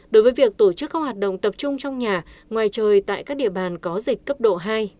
đối với việc tổ chức các hoạt động tập trung trong nhà ngoài trời tại các địa bàn có dịch cấp độ hai